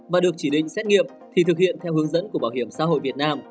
và được chỉ định xét nghiệm thì thực hiện theo hướng dẫn của bảo hiểm xã hội việt nam